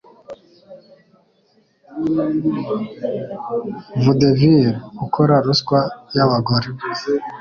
Vaudevilles ukora ruswa y'abagore